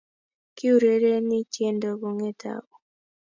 Kiurereni tyendo kongete au?